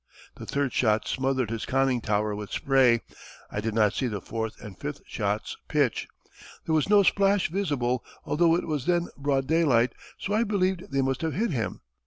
The third shot smothered his conning tower with spray. I did not see the fourth and fifth shots pitch. There was no splash visible, although it was then broad daylight; so I believe they must have hit him.